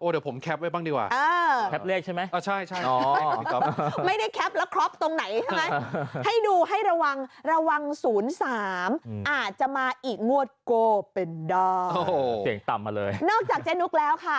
โอ๊ะเดี๋ยวผมแคปไว้บ้างดีกว่า